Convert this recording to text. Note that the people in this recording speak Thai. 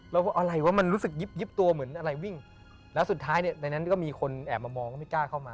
แล้วอะไรวะมันรู้สึกยิบตัวเหมือนอะไรวิ่งแล้วสุดท้ายเนี่ยในนั้นก็มีคนแอบมามองก็ไม่กล้าเข้ามา